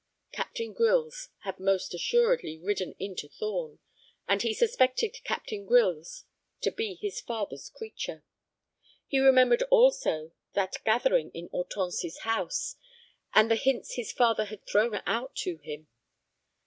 Captain Grylls had most assuredly ridden into Thorn, and he suspected Captain Grylls to be his father's creature. He remembered also that gathering in Hortense's house, and the hints his father had thrown out to him.